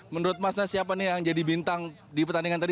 menurut masnya siapa nih yang jadi bintang di pertandingan tadi